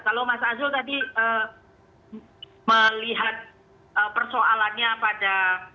kalau mas azul tadi melihat persoalannya pada